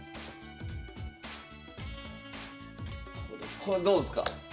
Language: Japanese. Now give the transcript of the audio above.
これどうすか？